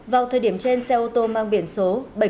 vào tháng chín hôm nay hôm nay hôm nay hôm nay hôm nay hôm nay